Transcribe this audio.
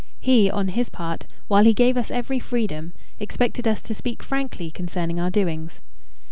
He, on his part, while he gave us every freedom, expected us to speak frankly concerning our doings.